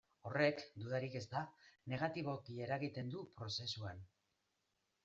Horrek, dudarik ez da, negatiboki eragiten du prozesuan.